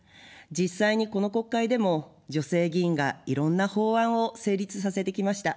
実際にこの国会でも女性議員がいろんな法案を成立させてきました。